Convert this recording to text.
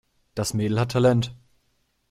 Das Mädel hat Talent.